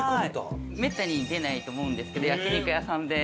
めったに出ないと思うんですけど焼肉屋さんで。